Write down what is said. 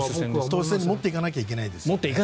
投手戦に持っていかないといけないですね。